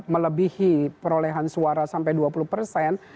melebihi perolehan suara sampai dua puluh persen